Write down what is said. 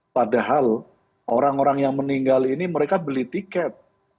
padahal orang orang yang meninggal ini mereka beli tiket